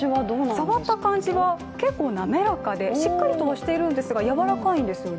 触った感じは結構滑らかでしっかりとしているんですがやわらかいんですよね。